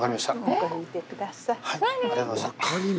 向こうにいてください。